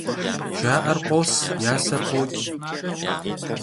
Jja'er khos, yaser khoç'.